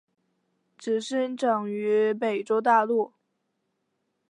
只生长于美洲大陆。